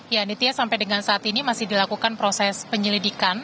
ya nitya sampai dengan saat ini masih dilakukan proses penyelidikan